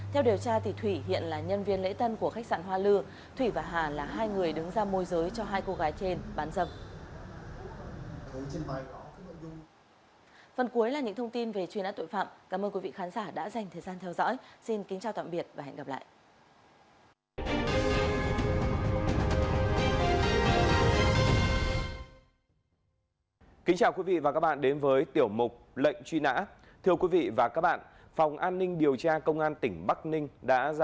theo điều tra thủy hiện là nhân viên lễ tân của khách sạn hoa lư thủy và hà là hai người đứng ra môi giới cho hai cô gái trên bán dâm